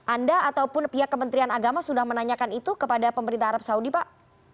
anda ataupun pihak kementerian agama sudah menanyakan itu kepada pemerintah arab saudi pak